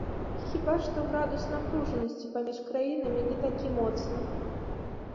Хіба што градус напружанасці паміж краінамі не такі моцны.